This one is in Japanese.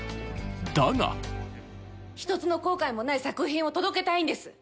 だが１つの後悔もない作品を届けたいんです。